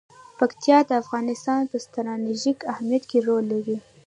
پکتیکا د افغانستان په ستراتیژیک اهمیت کې رول لري.